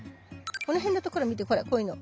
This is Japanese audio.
この辺の所見てほらこういうの。